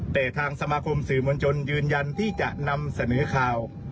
แต่ทางสมาคมสื่อมวลชนยืนยันที่จะนำเสนอข่าว